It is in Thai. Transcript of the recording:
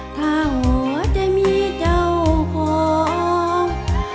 ถ้าหัวใจมีเจ้าของ